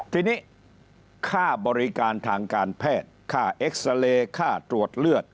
ทีนี้ค่าบริการทางการแพทย์ค่าเอ็กซาเรย์ค่าตรวจเลือด